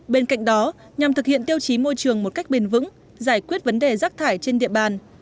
bên cạnh đó nhằm thực hiện tiêu chí môi trường một cách bền vững giải quyết vấn đề rác thải trên địa bàn